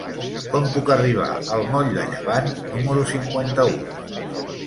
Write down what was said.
Com puc arribar al moll de Llevant número cinquanta-u?